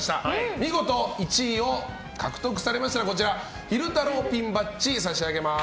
見事１位を獲得されましたら昼太郎ピンバッジを差し上げます。